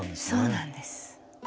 そうなんです。